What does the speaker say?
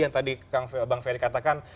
yang tadi bang ferry katakan